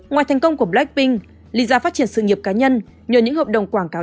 ngoài thành công của blackpink lisa phát triển sự nghiệp cá nhân nhờ những hợp đồng quảng cáo